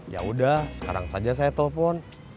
yaudah sekarang saja saya telepon